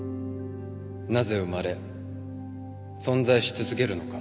なぜ生まれ存在し続けるのか。